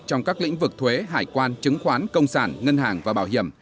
trong các lĩnh vực thuế hải quan chứng khoán công sản ngân hàng và bảo hiểm